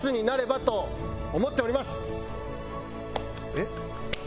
えっ？